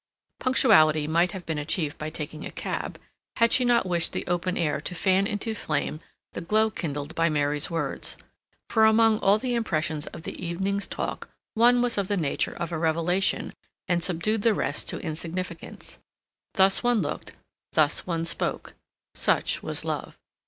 Punctuality might have been achieved by taking a cab, had she not wished the open air to fan into flame the glow kindled by Mary's words. For among all the impressions of the evening's talk one was of the nature of a revelation and subdued the rest to insignificance. Thus one looked; thus one spoke; such was love.